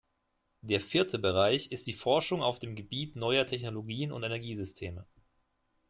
Der vierte Bereich ist die Forschung auf dem Gebiet neuer Technologien und Energiesysteme.